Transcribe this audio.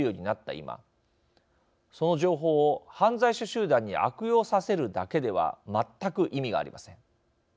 今その情報を犯罪者集団に悪用させるだけではまったく意味がありません。